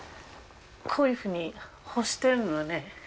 こういうふうに干してるのね。